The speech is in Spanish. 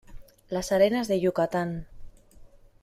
las arenas de Yucatán